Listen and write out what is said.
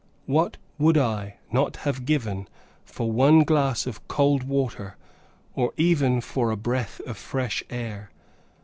What would I not have given for one glass of cold water, or even for a breath of fresh air!